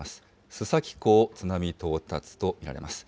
須崎港、津波到達と見られます。